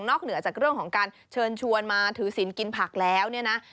เหนือจากเรื่องของการเชิญชวนมาถือศิลป์กินผักแล้วเนี่ยนะ